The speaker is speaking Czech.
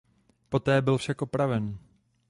Poté byl však opraven.